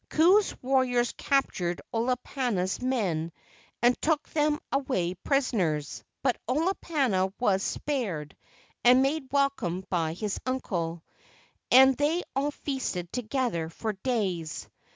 Ku's warriors captured Olopana's men and took them away prisoners, but Olopana was spared and made welcome by his uncle. And they all feasted together for days.